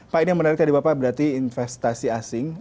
pak ini yang menarik tadi bapak berarti investasi asing